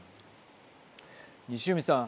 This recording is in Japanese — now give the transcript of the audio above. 西海さん。